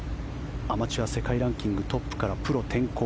アマチュア世界ランキングトップからプロ転向